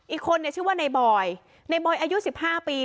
อีกคนชื่อว่าในบอยในบอยอายุสิบห้าปี